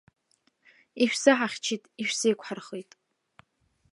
Ишәзаҳахьчеит, ишәзеиқәҳархеит.